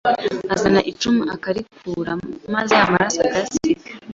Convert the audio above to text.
Azana icumu akarikura maze ya maraso akayasiga